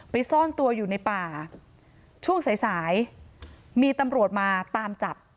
ซ่อนตัวอยู่ในป่าช่วงสายสายมีตำรวจมาตามจับ